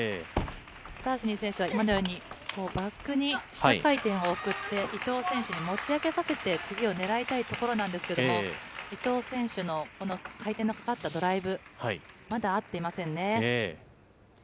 スタシニ選手は今のように、バックに下回転を送って、伊藤選手に持ち上げさせて、次を狙いたいというところなんですけれども、伊藤選手のこの回転のかかったドライブ、まだ合っていませんね。